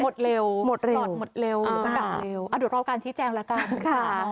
หมดเร็วกลอดหมดเร็วกลับเร็วอ่ะเดี๋ยวรอการชี้แจ้งแล้วกันค่ะค่ะ